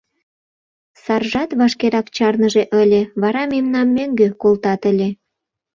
— Саржат вашкерак чарныже ыле, вара мемнам мӧҥгӧ колтат ыле.